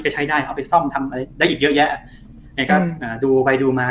ใกล้เยอะแยะยังก็อ่า